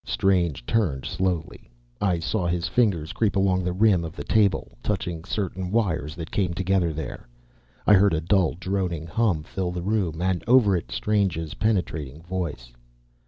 Strange turned slowly. I saw his fingers creep along the rim of the table, touching certain wires that came together there. I heard a dull, droning hum fill the room, and, over it, Strange's penetrating voice.